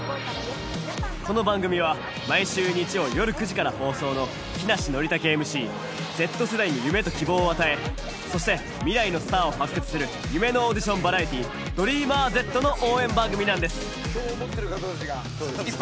この番組は毎週日曜よる９時から放送の木梨憲武ＭＣＺ世代に夢と希望を与えそして未来のスターを発掘する『夢のオーディションバラエティーＤｒｅａｍｅｒＺ』の応援番組なんです。